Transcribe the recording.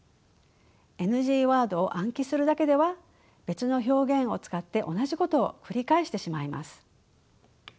ＮＧワードを暗記するだけでは別の表現を使って同じことを繰り返してしまいます。